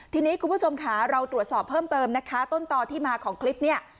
ทีนี้คุณผู้ชมค่ะเราตรวจสอบเพิ่มเติมนะคะต้นต่อที่มาของคลิปเนี่ย